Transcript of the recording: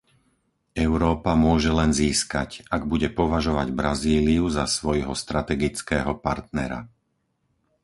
Európa môže len získať, ak bude považovať Brazíliu za svojho strategického partnera.